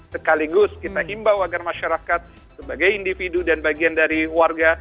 sekaligus kita imbau agar masyarakat sebagai individu dan bagian dari warga